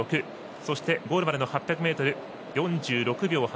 そして、ゴールまでの８００ｍ４６秒８。